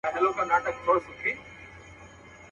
يو په يو يې لوڅېدله اندامونه .